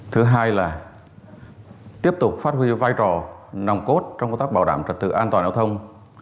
thứ hai là tiếp tục phát huy vai trò nòng cốt trong công tác bảo đảm trật tự an toàn giao thông